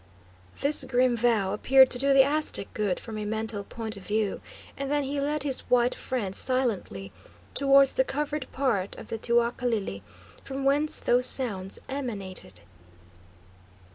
This grim vow appeared to do the Aztec good from a mental point of view, and then he led his white friend silently towards the covered part of the teocalli, from whence those sounds emanated.